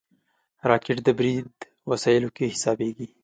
راکټ د برید وسایلو کې حسابېږي